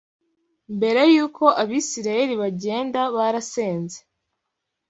Mbere y’uko Abisirayeli bagenda barasenze